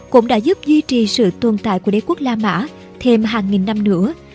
cũng đã giúp duy trì sự tồn tại của đế quốc la mã thêm hàng nghìn năm nữa